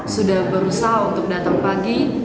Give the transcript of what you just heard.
sudah berusaha untuk datang pagi